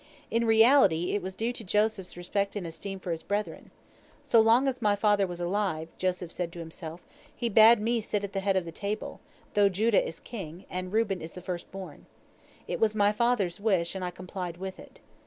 In reality, it was due to Joseph's respect and esteem for his brethren. "So long as my father was alive," Joseph said to himself, "he bade me sit at the head of the table, though Judah is king, and Reuben is the first born. It was my father's wish, and I complied with it.